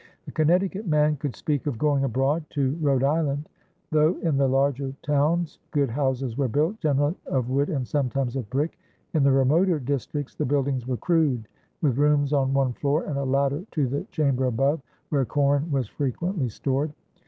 A Connecticut man could speak of "going abroad" to Rhode Island. Though in the larger towns good houses were built, generally of wood and sometimes of brick, in the remoter districts the buildings were crude, with rooms on one floor and a ladder to the chamber above, where corn was frequently stored.